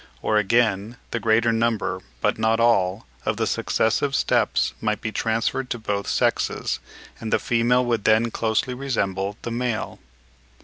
Or again, the greater number, but not all, of the successive steps might be transferred to both sexes, and the female would then closely resemble the male.